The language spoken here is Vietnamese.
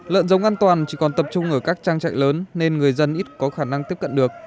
lợn giống an toàn chỉ còn tập trung ở các trang trại lớn nên người dân ít có khả năng tiếp cận được